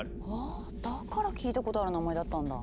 あぁだから聞いたことある名前だったんだ。